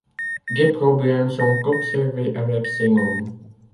Des problèmes sont observés avec ces noms.